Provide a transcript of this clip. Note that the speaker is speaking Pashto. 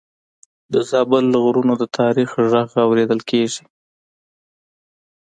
د زابل له غرونو د تاریخ غږ اورېدل کېږي.